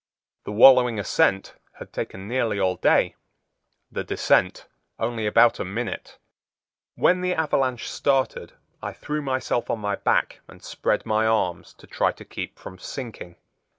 The wallowing ascent had taken nearly all day, the descent only about a minute. When the avalanche started I threw myself on my back and spread my arms to try to keep from sinking.